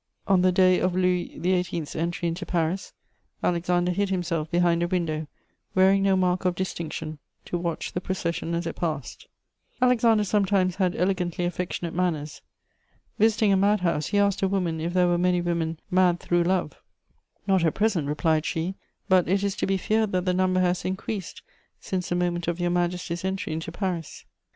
On the day of Louis XVIII.'s entry into Paris, Alexander hid himself behind a window, wearing no mark of distinction, to watch the procession as it passed. Alexander sometimes had elegantly affectionate manners. Visiting a mad house, he asked a woman if there were many women "mad through love": "Not at present," replied she; "but it is to be feared that the number has increased since the moment of Your Majesty's entry into Paris."